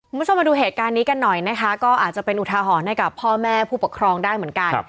คุณผู้ชมมาดูเหตุการณ์นี้กันหน่อยนะคะก็อาจจะเป็นอุทาหรณ์ให้กับพ่อแม่ผู้ปกครองได้เหมือนกัน